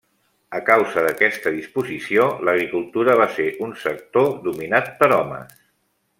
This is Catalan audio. A causa d'aquesta disposició, l'agricultura va ser un sector dominat per homes.